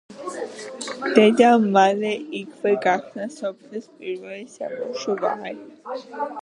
დედამ მალე იქვე გახსნა სოფლის პირველი საბავშვო ბაღი.